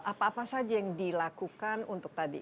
apa apa saja yang dilakukan untuk tadi